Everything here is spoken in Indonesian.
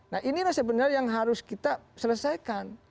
nah inilah sebenarnya yang harus kita selesaikan